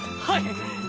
はい。